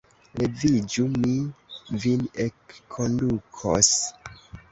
Leviĝu, mi vin elkondukos!